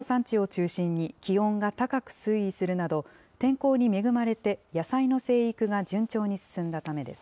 これは１０月中旬以降、東日本の産地を中心に気温が高く推移するなど、天候に恵まれて野菜の生育が順調に進んだためです。